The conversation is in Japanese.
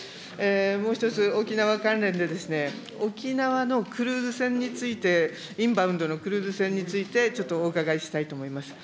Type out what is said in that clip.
もう一つ、沖縄関連で、沖縄のクルーズ船について、インバウンドのクルーズ船について、ちょっとお伺いしたいと思います。